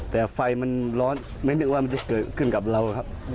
แต่ไฟมันร้อนไม่นึกว่ามันจะเกิดขึ้นกับเราครับ